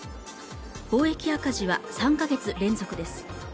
貿易赤字は３ヶ月連続です。